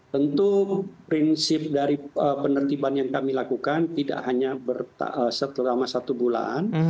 tentu prinsip dari penertiban yang kami lakukan tidak hanya setelah satu bulan